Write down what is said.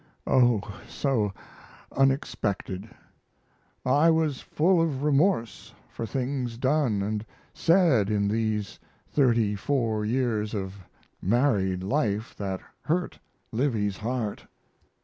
Oh, so unexpected!... I was full of remorse for things done & said in these 34 years of married life that hurt Livy's heart.